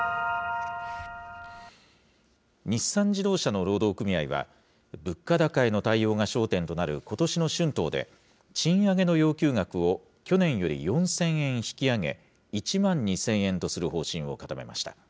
日産自動車の労働組合は、物価高への対応が焦点となることしの春闘で、賃上げの要求額を去年より４０００円引き上げ、１万２０００円とする方針を固めました。